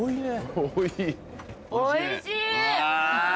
おいしい！